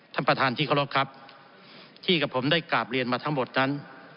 ท่านประธานที่เคารพครับที่กับผมได้กราบเรียนมาทั้งหมดนั้น